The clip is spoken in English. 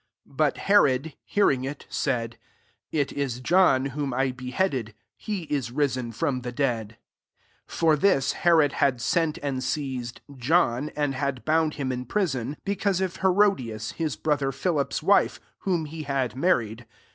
16 But Herod hearing tV, saidp* "// is [John] whom I behead* ed : he is risen from the dead*^ 17 For this Herod had sent aii4 seized John, and had bound hi]|f^ in prison, because of Herodia% his brother Philip's wife, w" he had married.